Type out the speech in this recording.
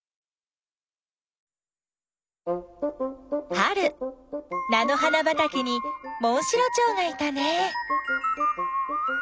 春なの花ばたけにモンシロチョウがいたね。